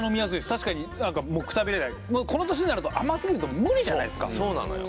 確かに何かこの年になると甘すぎると無理じゃないですかそうなのよ